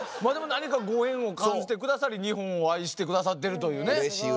まあでも何かご縁を感じてくださり日本を愛してくださってるというね。